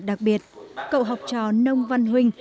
đặc biệt cậu học trò nông văn huynh